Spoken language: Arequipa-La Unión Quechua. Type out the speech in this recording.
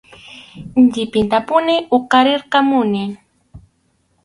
Llipintapuni huqarirqamuni.